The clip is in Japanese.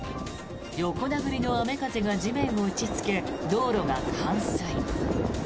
横殴りの雨風が地面を打ちつけ道路が冠水。